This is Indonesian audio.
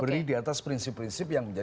beri di atas prinsip prinsip yang